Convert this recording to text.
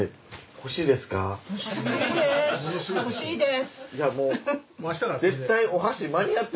欲しいです。